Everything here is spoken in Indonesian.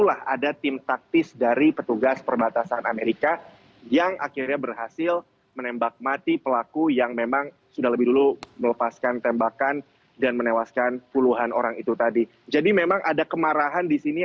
ada dua puluh satu salib yang melambangkan dua puluh satu korban tewas dalam peristiwa penembakan masal ini